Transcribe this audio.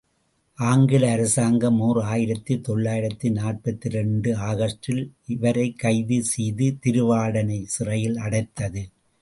ஆங்கில அரசாங்கம் ஓர் ஆயிரத்து தொள்ளாயிரத்து நாற்பத்திரண்டு ஆகஸ்டில் இவரைக் கைது செய்து திருவாடானை சிறையில் அடைத்தது.